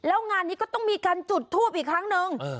แล้วงานนี้ก็ต้องมีการจุดทูปอีกครั้งหนึ่ง